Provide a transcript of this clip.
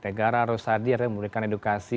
negara harus hadir memberikan edukasi